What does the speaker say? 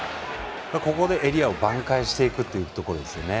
ここでエリアを挽回していくというところですよね。